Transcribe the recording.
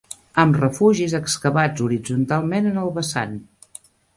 Amb refugis excavats horitzontalment en el vessant